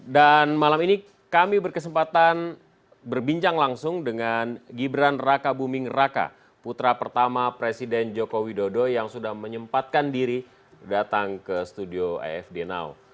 dan malam ini kami berkesempatan berbincang langsung dengan gibran raka buming raka putra pertama presiden jokowi dodo yang sudah menyempatkan diri datang ke studio afd now